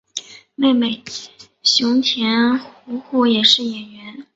妹妹熊田胡胡也是演员。